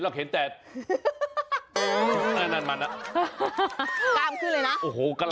ละเป็นอย่างนี้ผมบอก